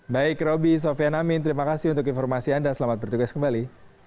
baik roby sofian amin terima kasih untuk informasi anda selamat bertugas kembali